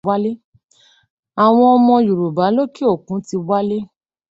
Àwọn ọmọ Yorùbá lókè òkun ti wálé.